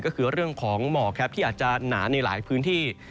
ก็คือเรื่องของหมอกครับที่อาจจะหนาในหลายพื้นที่